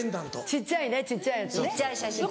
小っちゃいね小っちゃいやつね。